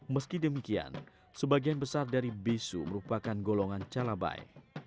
meski demikian sebagian besar dari bisu merupakan golongan calabai